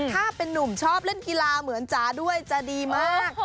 ถ้าเป็นนุ่มชอบเล่นกีฬาเหมือนจ๋าด้วยจะดีมาก